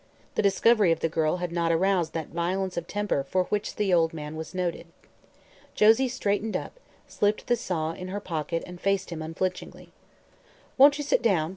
The discovery of the girl had not aroused that violence of temper for which the old man was noted. Josie straightened up, slipped the saw in her pocket and faced him unflinchingly. "Won't you sit down?"